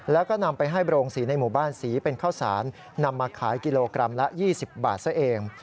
แล้วก็นำไปให้โรงสีในหมู่บ้านสีเป็นข้าวสารนำมาขายกิโลกรัมละ๒๐บาทซะเอง